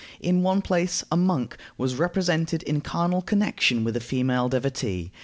In one place a monk was represented in carnal connection with a female devotee.